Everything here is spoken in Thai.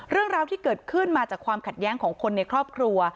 เรื่องราวที่เกิดขึ้นมาจากความขัดแย้งของคนในครอบครัว